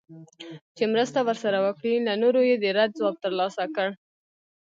چي مرسته ورسره وکړي له نورو یې د رد ځواب ترلاسه کړ